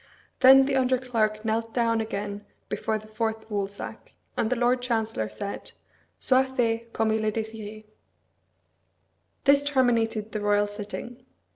Then the under clerk knelt down again before the fourth woolsack, and the Lord Chancellor said, "Soit fait comme il est désiré." This terminated the royal sitting.